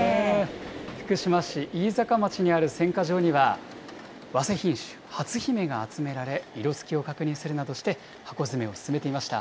福島市飯坂町にある選果場には、わせ品種、はつひめが集められ、色づきを確認するなどして、箱詰めを進めていました。